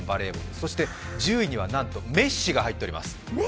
そして１０位にはなんとメッシが入っています。